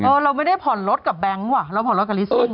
เราไม่ได้ผ่อนรถกับแบงค์ว่ะเราผ่อนรถกับลิสซิ่ง